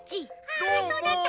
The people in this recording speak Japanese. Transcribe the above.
あっそうだった！